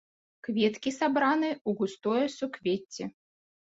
Кветкі сабраны ў густое суквецце.